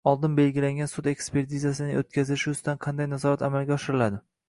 Oldin belgilangan sud ekspertizasining o‘tkazilishi ustidan qanday nazorat amalga oshiriladi?